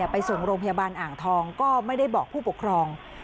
ไปส่งโรงพยาบาลอ่างทองก็ไม่ได้บอกผู้ปกครอง